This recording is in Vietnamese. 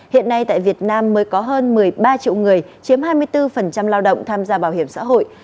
hiện nay tại việt nam mới có hơn một mươi ba triệu người chiếm hai mươi bốn lao động tham gia bảo hiểm xã hội